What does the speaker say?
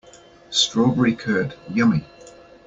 Strawberry curd, yummy!